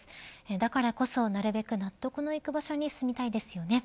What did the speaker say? だからこそなるべく納得のいく場所に住みたいですよね。